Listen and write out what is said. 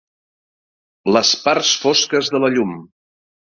Les parts fosques de la llum.